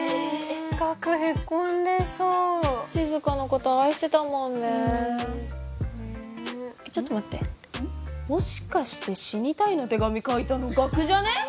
岳ヘコんでそう静香のこと愛してたもんねちょっと待ってもしかして「死にたい」の手紙書いたの岳じゃね？